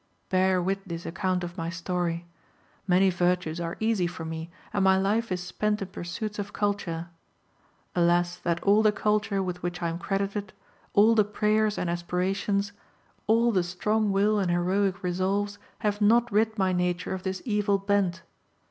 "Bear with this account of my story. Many virtues are easy for me, and my life is spent in pursuits of culture. Alas, that all the culture with which I am credited, all the prayers and aspirations, all the strong will and heroic resolves have not rid my nature of this evil bent!